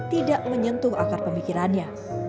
tidak menyentuh akar pemikirannya